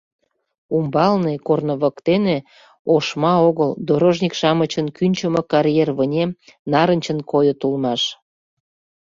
Умбалне, корно воктене, ошма огыл, дорожник-шамычын кӱнчымӧ карьер вынем нарынчын койыт улмаш.